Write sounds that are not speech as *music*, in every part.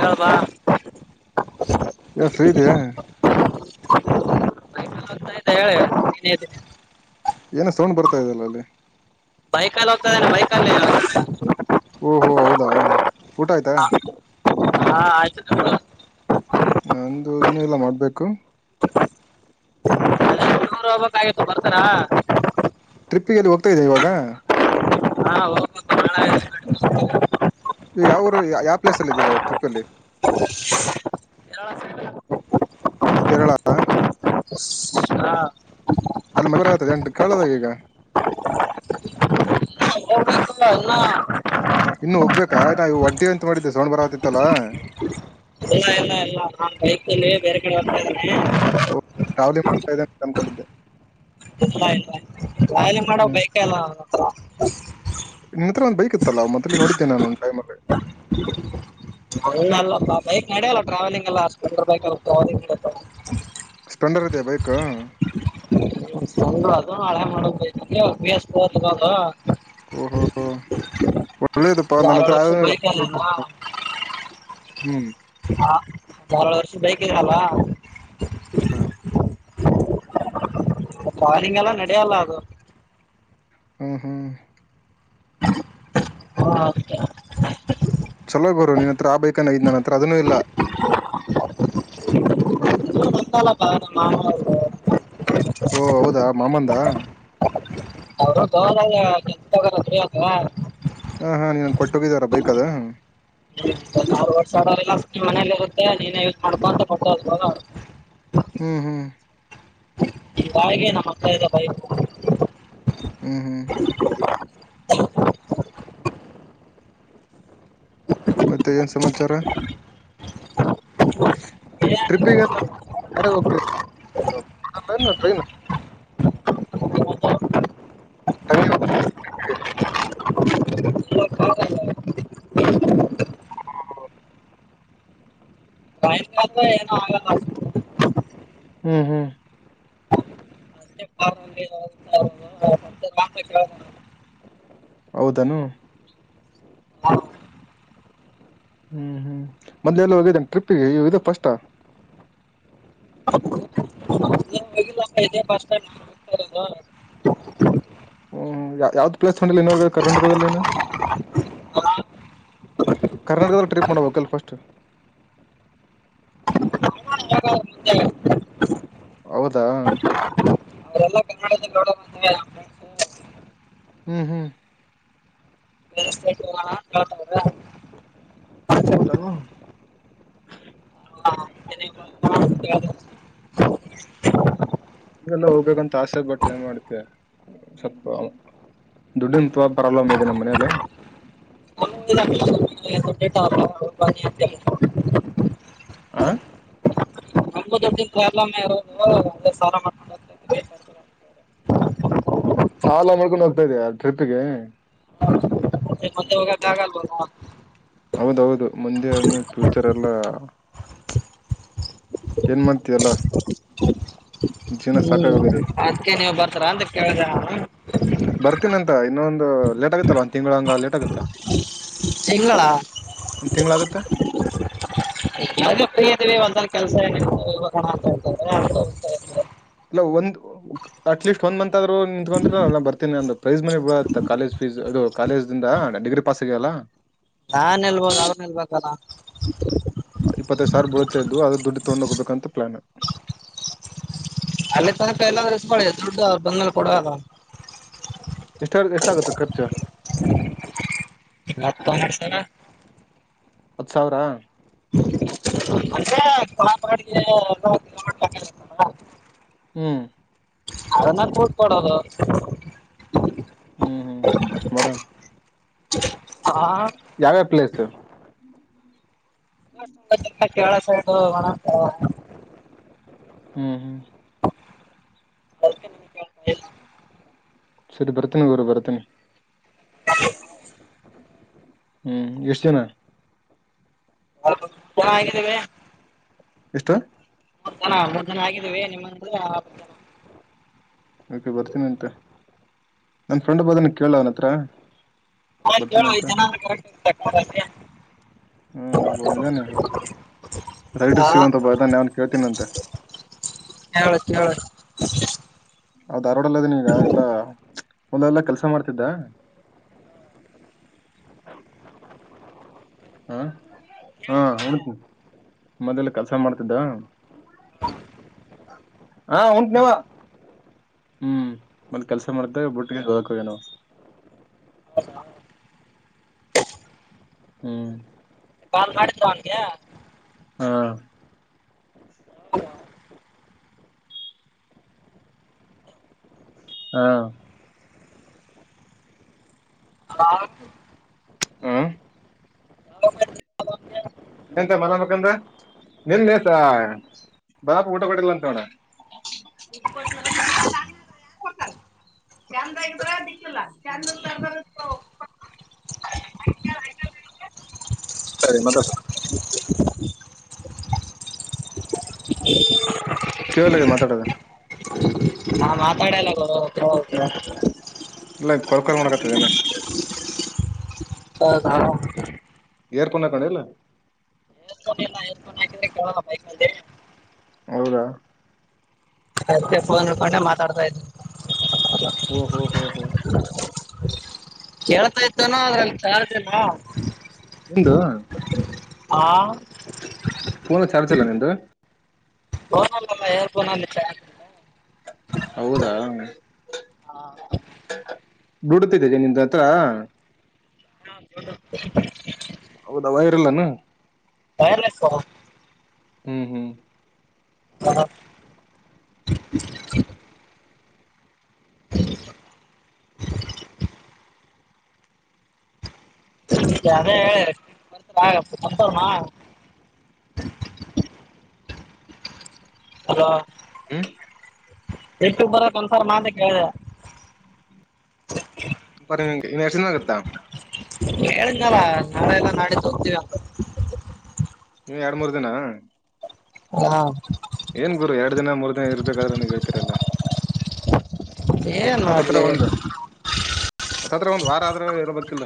ತವಾ ಯಾರ ಪ್ರೀತಿಯ ಗೊತ್ತಾಯ್ತಾ ಹೇಳುವ ನೀನ ಏನ ಸೌಂಡ್ ಬರ್ತಾ ಇದಲ್ಲ ಅಲ್ಲಿ ಬೈಕಲ್ಲಿ ಹೋಗ್ತದೆರೆ ಬೈಕಲ್ಲಾವ ಓಹೋ ಹೌದಾ ಊಟ ಆಯ್ತಾ ಹಾ ಆಯ್ತು ಕಪಾ ನಂದು ಇನ್ನೂ ಇಲ್ಲ ಮಾಡ್ಬೇಕು ದೂರ ಹೋಗ್ಬೇಕಾಯಿತ್ತು ಬರ್ತಾರಾ ಟ್ರಿಪ್ಗೆಲ್ಲಿ ಹೋಗ್ತಾ ಇದಿವಿ ಇವಾಗ ಹಾ ಹೋಗ್ ಬೇಕು *unintelligible* ಈಗ ಯಾವ್ ಊರು ಯಾವ್ ಪ್ಲೇಸ್ ಅಲ್ಲಿ ಇದೀರ ಟ್ರಿಪ್ ಅಲ್ಲಿ ಕೇರಳ *inaudible* ಹಾ ಅಲ್ಲಿ *unintelligible* ಎಂಟ್ ಕೇಳದ ಈಗ ಹೋಗ್ಬೇಕು ಇಲ್ಲ ಇನ್ನು ಇನ್ನು ಹೋಗ್ಬೇಕಾ ಆಯ್ತಾ ಹೊಂಟಿ ಅಂತ ಮಾಡಿದ್ದೆ ಸೌಂಡ್ ಬರ ಆತಿತ್ತಲ್ಲಾ ಇಲ್ಲ ಇಲ್ಲ ಇಲ್ಲ ನಾನ್ ಬೈಕ್ ಅಲ್ಲಿ ಬೇರೆ ಕಡೆ ಹೋಗ್ತಾಯಿದೀನಿ ತಮ್ಕೊಂಡಿದ್ದೆ ಇಲ್ಲ ಇಲ್ಲ ಲಾಯಲಿ ಮಾಡೋ *unintelligible* ನಿನ್ನ ಹತ್ರ ಒಂದ್ ಬೈಕ್ ಇತ್ತಲ್ಲ ಮೊಲ್ಲಿ ನೋಡಿದ್ದೆ ನಾನು ಒಂದ್ ಟೈಮ್ ಅಲ್ಲಿ ಹಂಗಲ್ಲ ಬೈಕ್ ನಡಲ್ಲ ಟ್ರಾವೆಲಿಂಗ್ ಎಲ್ಲ ಸ್ಪ್ಲೆಂಡರ್ ಬೈಕ್ ಅಲ್ಲಿ *unintelligible* ಸ್ಪ್ಲೆಂಡರ್ ಇದಿಯ ಬೈಕ್ಕು *unintelligible* ಓಹೋ ಒಳ್ಳೇದಪ್ಪ ನನ್ನ ಹತ್ರ ಯಡದ್ವರ್ಷ ಅದು- ಬೈಕ್ ಹ್ಮ್ *unintelligible* *unintelligible* ಟ್ರಾವೆಲ್ಲಿಂಗ್ ಎಲ್ಲ ನಡಿಯಲ್ಲ ಅದು ಹ್ಮ್ ಹ್ಮ್ ಚಲೋ ಗುರು ನಿನ್ನ ಹತ್ರ ಬೇಕಾನ ಇದ್ ನನ್ನ ಹತ್ರ ಅದನ್ನೂ ಇಲ್ಲ ನಂದಲ್ಲಪಾ ನಮ್ ಮಾವ ಅವರ್ದು ಓ ಹೌದಾ ಮಾಮಂದ *unintelligible* ಹ ಹಾ ನೀನ್ನ್ ಕೊಟ್ಟೋಗಿದಾರ ಬೈಕ್ ಅದು ಒಂದ್ ಆರು ವರ್ಷ ಆಡಲ್ಲ ನೀ ಮನೇಲಿ ಇರುತ್ತೆ ನೀನೇ ಯೂಸ್ ಮಾಡ್ಕೋ ಅಂತ ಕೊಟ್ಟ ಹ್ಮ್ ಹ್ಮ್ ಈ ಬಾಯಿಗೆ ನಮ್ಮ ಅಕ್ಕಳ್ದ ಬೈಕು ಹ್ಮ್ ಹ್ಮ್ ಮತ್ತೆ ಏನ್ ಸಮಾಚಾರ *unintelligible* ಟ್ರೀಪಿಗಲ್ಲ *unintelligible* *unintelligible* ಹಾ ಹೌ *unintelligible* ಏನು ಆಗಲ್ಲ ಹ್ಮ್ ಹ್ಮ್ ಅಷ್ಟೇ ಕಾರಲ್ಲಿ ಹೌದನು ಹೋಗಿಲ್ಲ ಹ್ಮ್ ಹ್ಮ್ ಮೊದ್ಲು ಎಲ್ಲ ಹೋಗಿದ್ದೇನೆ ಟ್ರಿಪ್ಗೆ ಇದು ಫಸ್ಟ್ಟ *unintelligible* ಇಲ್ಲಪಾ ಇದೆ ಫಸ್ಟ್ ಟೈಮ್ ಹೋಗ್ತಾಯಿರೋದು ಹ್ಮ್ ಯಾವ್ದ್ ಪ್ಲೇಸ್ ತೊಂಡಿಲ್ಲ ಇನ್ನು ಕರ್ನಾಟಕದಲ್ಲಿನ ಆ, ಕರ್ನಾಟಕದಲ್ಲಿ ಟ್ರಿಪ್ ಮಾಡಬೇಕಲ್ ಫಸ್ಟ್ ಮುಂದೆ ಹೌದಾ *unintelligible* ಹ್ಮ್ ಬೇರೆ ಸ್ಟೇಟ್ ಹೋಗೋಣ ಅಂತ ಹೇಳ್ತಾವ್ರೆ ಹದಾನ ಆ, ಚೆನ್ನೈಗ್ ಹೋಗೋಣ ಅಂತ ಹೇಳ್ದೆ. ಹಲ್ಲ ಹೋಗ್ಬೇಕಂತ ಆಸೆ ಬಟ್ಟ ಏನ್ ಮಾಡ್ತ ಸ್ವಲ್ಪ ದುಡ್ಡಿಂ ತವಾ ಪ್ರಲಾಮ್ ಇದೆ ನಮ್ಮ ಮನೇಲೆ *inaudible* *unintelligible* ಆ ಾಮ್ೊಂಡ ಸಾಲ ಮಡ್ಕೊಂಡ್ ಹೋಗ್ತಾ ಇದ ಇದೆಯ ಟ್ರಿಪ್ಗೆ ಮ ಮಂದೆ ಹೋಗದ ಆಗಲ್ವ ಹೌದೌದು ಮುಂದೆ ಅನ್ನ ಫ್ಯೂಚರೆ ಎಲ್ಲ ಏನ್ಮತಿಯಲ್ಲ ಹ್ಮ್ ಅದ್ಕ ನೀವ್ ಬರ್ತರಾ ಅಂತ ಕೇಳ್ದ ಬರ್ತೀನ ಅಂತ ಇನ್ನೊಂದು ಲೇಟ್ ಆಗತ್ತಲ್ಲ ಒಂದ ತಿಂಗಳ ಹಂಗ ಲೇಟ್ ಆಗತ್ತ ತಿಂಗಳ ಎಗ ಫ್ರೀ ಅವಿ ಒಂದ ಕೆಲ್ಸಣ ಅ ಇತ ಇಲ್ಲ ಒಂದು ಅಟ್ ಲೀಸ್ಟ್ ಒನ್ ಮಂತ್ ರು ನಿತ್ಕೊಂಡ್ರೆ ನ ಬರ್ತೇಿ ಅಂದು ಪ್ರೈಸ್ ಮನೆಿ ಬಿ ಕಾಲೇಜ್ ಫೀಸ್ ಅದು ಕಾಲೇಜ ದಿಂದ ಡಿಗ್ರಿ ಪಾಸ್ ಆಗ್ಯಲ್ಲ ನಾನ್ ಎಲ್ಬೋ ಅವನ್ ಎಲ್ಬೇಕಲ್ಲ ಪ್ಲಾನ ಅಲ್ಲಿ ತನಪ ಎಲ್ಲಾದ್ರೂಳೆ ದೊಡ್ಡ ಬಂಗಾಲ್ ಕೊಡುವಾಗ ಎಷ್ಟ ಎಷ್ಟಾಗುತ್ತೆ ಖರ್ಚ ಹರ ಹತ್ ಸಾವಿರ ಅಂದ್ರೆ ಕೊಪರಡ್ಗೆ ಎತ್ತಲ್ಲ *unintelligible* *inaudible* ಹ್ಮ್ ಅದಂದ ಕೂಟ್ಪೋಡದ *inaudible* ಹ್ಮ್ ಹ್ಮ್ ಅಷ್ಟು ಮಾಡುವೆ *inaudible* ಯಾವ ಪ್ಲೇಸ್ ಕೆಳ ಸಣಂತ *inaudible* ಹ್ಮ್ ಹ್ಮ್ ಕ *inaudible* ಸರಿ ಬರ್ತನಿ ಗೌರು ಬರ್ತನಿ *inaudible* ಹ್ಮ್ ಎಷ್ಟ ದಿನ ಚೆನ್ನಾಗಿದ್ದೀವಿ ಎಷ್ಟು ಹ ಮೂರು ಜನ ಆಗಿದೀವಿ ನಿಮ್ಮಂದ್ರ ಹ ಜನ ಓಕೆ ಬರ್ತೀನಿ ಅಂತ ನನ್ ಫ್ರೆಂಡ್ ಬದನ ಕೇಳಲ ಅವ್ನ ಹತ್ರ ಆ ಬರ್ತಾನೆ ಕೇಳುವದು ಅಂತ ಐದು ಜನಷ್ಟೆ ಹ *inaudible* ರೈಡರ್ಸ್ ಸಿಗಂತ ಬ ಅದಾನ ಅವನ್ ಕೇಳ್ತೀನ ಅಂತೆ ಹೇಳ್ಬೇಕ್ ಹೇಳಬೇಕು ಹೌದ ಧಾರ್ವಾಡಲ್ಲದೀನ ಈಗ ಎಲ್ಲಾ ಒಂದೆಲ್ಲಾ ಕೆಲ್ಸ ಮಾಡ್ತಿದ್ದ ಹ ಹಾ ಕೇಳಿ ಕೇಳಿ ಹತ ಮದ್ಲ್ ಕೆಲಸ ಮಾಡ್ತಿದ್ದ ಹೆ ಊಂತೀನಿ ಅವಾ ಹ್ಮ್ ಮಲ್ಲಿ ಕೆಲ್ಸ ಮಾಡ್ದ ಬುಟ್ಟಿಗೆ ಹದಕು ಏನು ಹೌದು *inaudible* ಹ್ಮ್ ಕಾಲ್ ಮಾಡಿದ ಅವನ್ಗೆ ಹಾ ಹ *inaudible* ಹಾ ಅದ ಹ್ಮ ಹ *inaudible* ಇಂತ ಮನ ಬೇಕಂದ್ರ ನೆನ್ನೆ ದಿಸಾ ದಡಪಂಗ ಊಟ ಕೊಟ್ಟಿಲ್ಲ ಅಂತೋಡ ಯಾರ ಕೊಡ್ತಾರೆ *inaudible* ಚಂದ ಆಗಿದ್ರ ದಿಕ್ಕಿಲ್ಲ *inaudible* *inaudible* ಸರಿ ಮತ್ತ *inaudible* ಕೇಳಿ ಮಾತಾಡದ ನಾ ಮಾತಾಡಲ್ಲ ಬ್ರೋ *unintelligible* ಇಲ್ಲ ಕೊರ್ಕೊಂಡ ಮಾಡಕತ್ತಿದ್ದೇನೆ ಹ ಹ ಏರ್ಪಣ ಕಣಲ್ಲ *inaudible* ಬೈ ಮೇಲೆ ಹೌದಾ ಅದೆ ಫೋನ್ ಇಡ್ಕೊಂಡೆ ಮಾತಾಡ್ತಾ ಇದ್ದೆ ಹ್ಮ್ ಹ್ಮ್ ಹ್ಮ್ ಹ್ಮ್ ಕೇಳ್ತಾ ಇತಾನ ಅದ್ರಲ್ಲಿ ಚಾರ್ಜಿಲ್ಲ ನಿಂದು ಹಾಂ ಪೋನ ಚಾರ್ಜಲ್ಲ ನಿಂದು ಫೋನಲ್ಲಮ್ಮ ಏರ್ ಫೋನಗುತ್ತೆ ಹೌದಾ ಡುತ್ತಿದ್ದನೆ ನಿನ್ ಹತ್ರ ಹ ಹೌದ ವೈರಲ್ಲಾನ ವೈರ್ ಲೇಸ್ ಫೋನ್ ಹ್ಮ್ ಹ್ಮ್ ಹ ಹ ಅದೇ ಸಂತಣ *inaudible* ಹಲೋ ಹ್ಮ ಎಟ್ಟು ಬರ ಒನ್ಸಾರ್ ಮಾತ ಕಿದೆ ನಕ್ಷಾಗತ್ತಾ ಕೇಳಿದ್ನಾರ ನಾಳೆ ಎಲ್ಲ ನಾಳಿದ್ದೋಗತೀವಿ ಎರಡ್ ಮೂರ್ ದಿನ ಹಾ ಏನ್ ಗುರು ಎರಡ್ ದಿನ ಮೂರ್ ದಿನ ಇರ್ಬೇಕಾದ್ರೆ ನೀನ್ ಹೇಳ್ತೀರಲ್ಲ ಏನ್ ಮಾಡ್ಲಿ ಮತ್ತತ್ರ ಒಂದು ವಾರ ಆದ್ರ ಇರಬೇಕತ್ತಿಲ್ಲ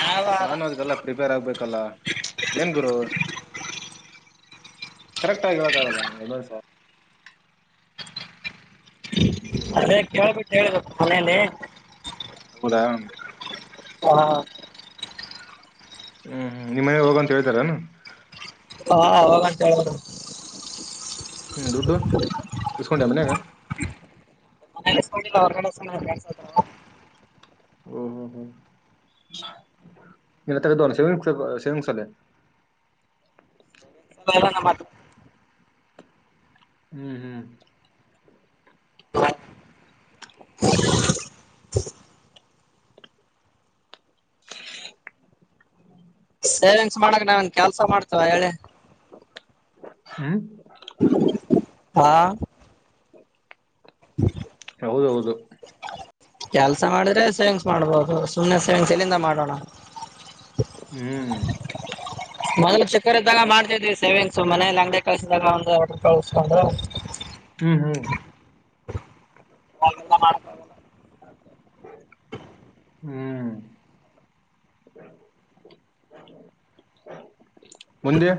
ಯಾವ ನಾನು ಅದ್ಕ್ಕೆಲ್ಲಾ ಪ್ರಿಪೇರ್ ಆಗ್ಬೇಕಲ್ಲ ಏನ್ ಗುರು ಕರೆಕ್ಟ್ ಆಗಿ ಹೇಳಕ್ಕ ಆಗಲ್ಲ ಎಲ್ಲ ಸ ಅದೇ ಕೇಳ್ಬಿಟ್ಟು ಹಳ್ಬೇಕ ಮನೇಲಿ ಹುದಾ ಹಾ ಹ್ಮನಿಮಮ್ಮ ಮನೆ ಹೋಗಂತ ಹೇಳ್ತಾರನಾ ಹಾ ಅವಾಗಂತ ಹೇಳೋಣ ಹ್ಮ್ ದುಡ್ಡು ಕಿಸಕೊಂಡೆ ಮನ್ಯಾಗ ನ ಗ ಎ ಹ್ಮ ಹ್ಮ್ ಹ್ಮ್ ಇಲ್ಲ ಶೇಂಗಸಾಲ ಎಲ್ಲ ನ ಮಾತ ಹ್ಮ್ ಹ್ಮ್ ಸೇವಿಂಗ್ಸ್ ಮಾಡಕ್ ನಾವನ್ ಕೆಲ್ಸ ಮಾಡ್ತವ ಹೇಳಿ ಹ್ಮ ಹಾ ಹ್ಮ ಕೆಲ್ಸ ಮಾಡಿದ್ರೆ ಸೇವಿಂಗ್ಸ್ ಮಾಡ್ಬೋದು ಸುಮ್ಮ್ ಸೇವಿಂಗ್ಸ್ ಎಲ್ಲಿಂದ ಮಾಡೋಣ ಹ್ಮ್ ಮೊದ್ಲು ಚಿಕ್ಕರ್ಗ ಮಾಡ್ತಿದ್ವಿ ಸೇವಿಂಗ್ಸ್ ಮನೇಲಿ ಅಂಗಡ ಕಸಿದಾಗ್ರ ಹ್ಮ್ ಹ್ಮ್ ಎಲ್ಲ ಮಾಡ ಹ್ಮ್ ಮುಂದಂದ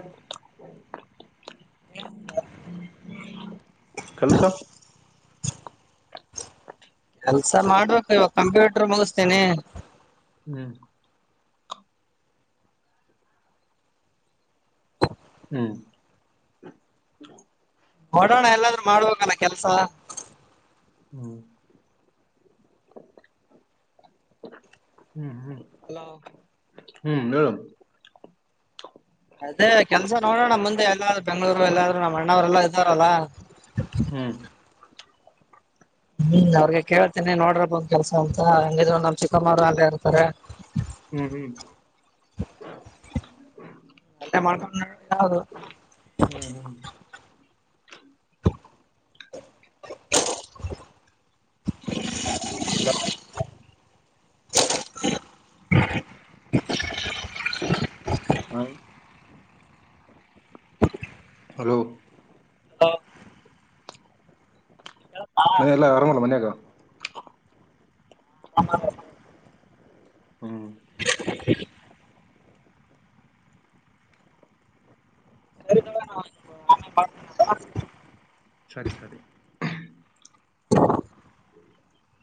ಕೆಲಸ *inaudible* ಕೆಲ್ಸ ಮಾಡ್ಬೇಕು ಇವಾಗ ಕಂಪ್ಯೂಟರ್ ಮುಗಿಸತೇನಿ ಹ್ಮ್ ಹ್ಮ್ ಹೊಡೋಣ ಎಲ್ಲಾದ್ರೂ ಮಾಡುವಲ್ಲ ಕೆಲ್ಸ ಹ್ಮ್ ಹ್ಮ್ ಹ್ಮ್ ಹ್ಮ್ ಹೇಳ ಅದೇ ಕೆಲ್ಸ ನೋಡ್ರಣ ನಮ್ಮ್ ಮುಂದೆ ಎಲ್ಲಾದ್ ಬೆಂಗ್ಗಳೂರು ಎಲ್ಲಾದ್ನಮ್ಮ್ ಅಣ್ಣವ್ರೆಲ್ಲಾ ಇದ್ದಾರಲ್ಲ ಹ್ಮ್ ಹ್ಮ್ ಅವ್ರಿಗೆ ಕೇಳ್ತೇನಿ ನೋಡ್ರಿ ಬಂದ್ ಕೆಲ್ಸ ಅಂತ ಹಂಗಿದ್ರು ನಮ್ ಚಿಕ್ಕಮ್ಮೂರು ಅಲ್ಲೇ ಇರ್ತಾರೆ ಹ್ಮ್ ಹ್ಮ್ ಹ್ಮ್ ನಲ್ಲ ಮಾಡಕದು ಹ್ಮ್ ಹಲೋ *unintelligible* ಹ್ಮ ಹಲೋ ಹಾ ಮನ ಎಲ್ಲಾ ಇರಂಗೋಲ್ಲ ಮನೆಕ ಹ ಹ್ಮ್ ಸರಿ ನವ ಸರಿ ಸರಿ ಹ್ಮ